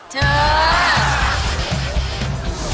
เชิญ